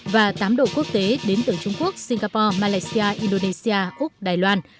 và tám đội quốc tế đến từ trung quốc singapore malaysia indonesia úc đài loan